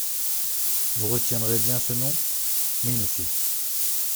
Vous retiendrez bien ce nom ? Oui, monsieur.